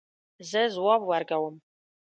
زه ځواب ورکوم